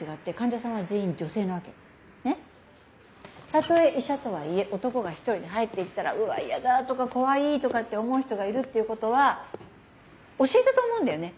たとえ医者とはいえ男が１人で入って行ったら「うわ嫌だ」とか「怖い」とかって思う人がいるっていうことは教えたと思うんだよね。